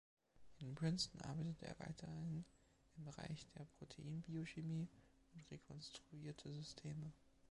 In Princeton arbeitete er weiterhin im Bereich der Proteinbiochemie und rekonstruierte Systeme.